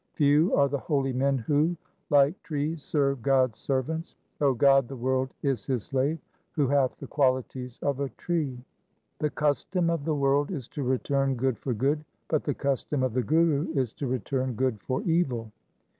Few are the holy men who, like trees, serve God's servants. O God, the world is his slave, who hath the qualities of a tree. 1 The custom of the world is to return good for good, but the custom of the Guru is to return good for evil.